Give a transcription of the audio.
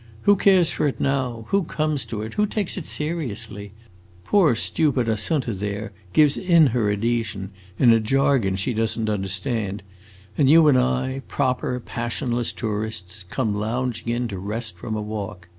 Who cares for it now? who comes to it? who takes it seriously? Poor stupid Assunta there gives in her adhesion in a jargon she does n't understand, and you and I, proper, passionless tourists, come lounging in to rest from a walk.